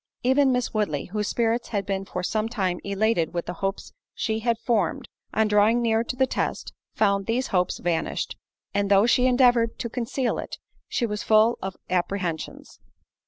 Even Miss Woodley, whose spirits had been for some time elated with the hopes she had formed, on drawing near to the test, found those hopes vanished; and though she endeavoured to conceal it, she was full of apprehensions.